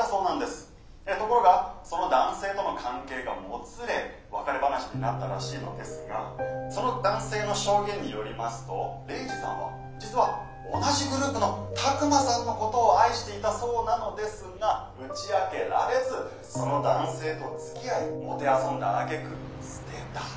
ところがその男性との関係がもつれ別れ話になったらしいのですがその男性の証言によりますとレイジさんは実は同じグループの拓真さんのことを愛していたそうなのですが打ち明けられずその男性とつきあいもてあそんだあげく捨てた。